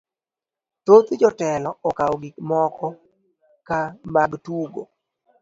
Thoth jotelo okawo gik moko ka mag tugo